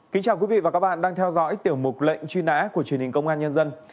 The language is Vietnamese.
kính chào quý vị và các bạn đang theo dõi tiểu mục lệnh truy nã của truyền hình công an nhân dân